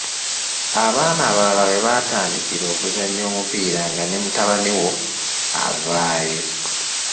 Abaana abalala we batandikira okuzannya omupiira nga ne mutabani wo avaayo.